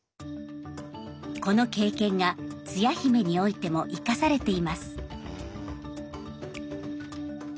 この経験がつや姫においても生かされています。